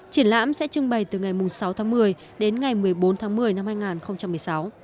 triển lãm sẽ trưng bày từ ngày sáu tháng một mươi đến ngày một mươi bốn tháng một mươi năm hai nghìn một mươi sáu